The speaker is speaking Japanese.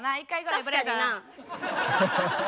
確かにな。